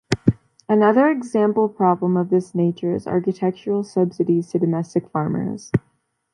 Another example problem of this nature is agricultural subsidies to domestic farmers.